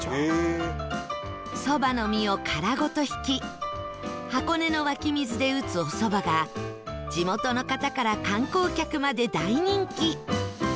蕎麦の実を殻ごと挽き箱根の湧き水で打つお蕎麦が地元の方から観光客まで大人気